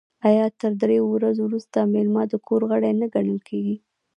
آیا تر دریو ورځو وروسته میلمه د کور غړی نه ګڼل کیږي؟